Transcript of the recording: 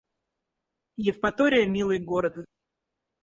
Евпатория — милый город